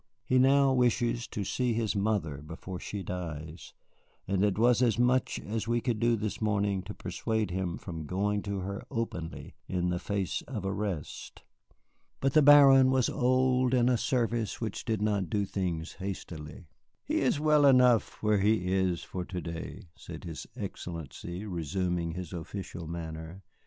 He now wishes to see his mother before she dies, and it was as much as we could do this morning to persuade him from going to her openly in the face of arrest." But the Baron was old in a service which did not do things hastily. "He is well enough where he is for to day," said his Excellency, resuming his official manner.